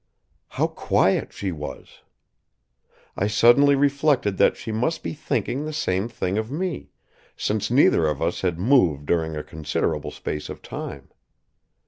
How quiet she was! I suddenly reflected that she must be thinking the same thing of me, since neither of us had moved during a considerable space of time.